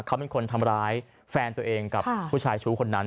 เขาเป็นคนทำร้ายแฟนตัวเองกับผู้ชายชู้คนนั้น